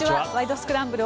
スクランブル」